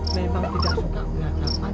memang tidak suka berjalan jalan